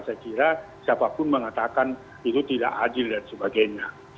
saya kira siapapun mengatakan itu tidak adil dan sebagainya